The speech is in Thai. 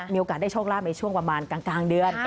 มีโอกาสได้โชคลาภในช่วงประมาณกลางเดือน